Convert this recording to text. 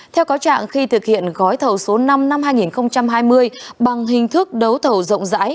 theo cáo trạng khi thực hiện gói thầu số năm năm hai nghìn hai mươi bằng hình thức đấu thầu rộng rãi